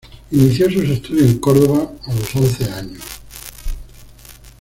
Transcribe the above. Inició sus estudios en Córdoba, a los once años.